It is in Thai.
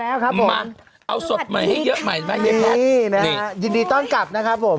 มาแล้วครับผมมาเอาสดใหม่ให้เยอะใหม่นี่นะฮะยินดีต้อนกลับนะครับผม